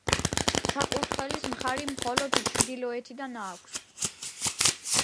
საკურთხეველს მხარი მხოლოდ ჩრდილოეთიდან აქვს.